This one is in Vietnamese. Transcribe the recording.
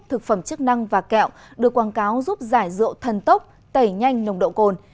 thực phẩm chức năng và kẹo được quảng cáo giúp giải rượu thần tốc tẩy nhanh nồng độ cồn